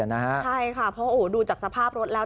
ใช่ค่ะเพราะดูจากสภาพรถแล้ว